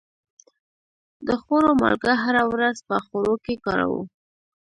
د خوړو مالګه هره ورځ په خوړو کې کاروو.